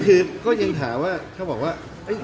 เสียงพี่ยังขึ้นอยู่